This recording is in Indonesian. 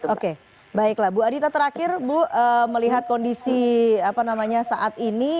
oke baiklah bu adita terakhir bu melihat kondisi saat ini